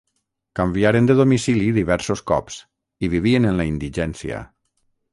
Canviaren de domicili diversos cops, i vivien en la indigència.